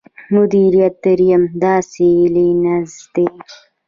مديريت درېيم داسې لينز دی.